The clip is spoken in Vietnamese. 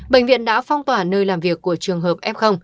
bệnh viện đã phong tỏa nơi làm việc của trường hợp f